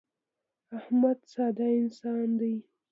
احمد ساده انسان دی.